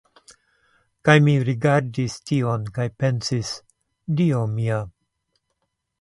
Kaj mi rigardis tion kaj pensis, "Dio mia!"